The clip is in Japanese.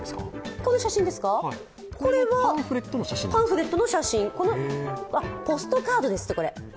この写真はパンフレットの写真ポストカードですって。